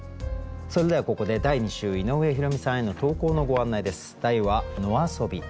それではここで第２週井上弘美さんへの投稿のご案内です。